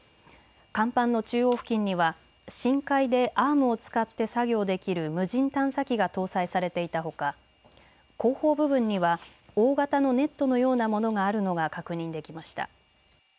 甲板の中央付近には深海でアームを使って作業できる無人探査機が搭載されていたほか、後方部分には大型のネットのようなものがあるのが確認できました。